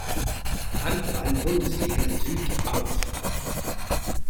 Handball-Bundesliga Süd auf.